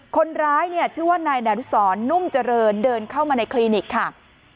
คนร้ายเนี่ยชื่อว่านายดานุสรนุ่มเจริญเดินเข้ามาในคลินิกค่ะ